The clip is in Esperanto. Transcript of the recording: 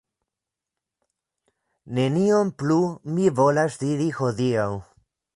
Nenion plu mi volas diri hodiaŭ.